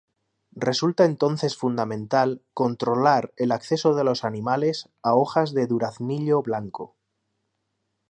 Resulta entonces fundamental controlar el acceso de los animales a hojas de duraznillo blanco.